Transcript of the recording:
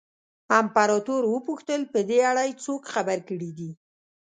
امپراتور وپوښتل په دې اړه یې څوک خبر کړي دي.